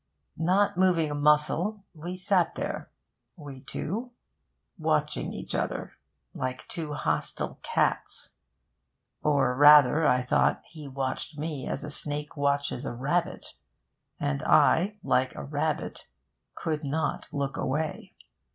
Not moving a muscle, we sat there, we two, watching each other, like two hostile cats. Or rather, I thought, he watched me as a snake watches a rabbit, and I, like a rabbit, could not look away.